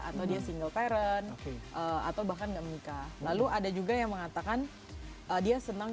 atau dia single parent atau bahkan enggak menikah lalu ada juga yang mengatakan dia senang